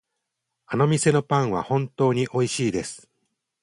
あの店のパンは本当においしいです。